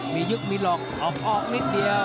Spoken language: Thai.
มียุบมีหลอกออกนิดเดียว